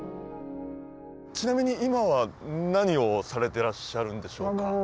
ちなみに今は何をされてらっしゃるんでしょうか？